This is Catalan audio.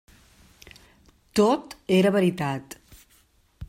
Tot era veritat.